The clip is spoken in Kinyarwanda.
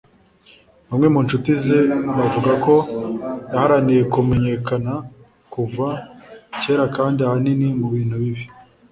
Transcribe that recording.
Bamwe mu nshuti ze bavuga ko yaharaniye kumenyekana kuva cyera kandi ahanini mu bintu bibi